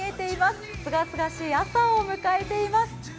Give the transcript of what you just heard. すがすがしい朝を迎えています。